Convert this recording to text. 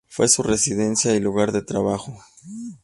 Fue su residencia y lugar de trabajo.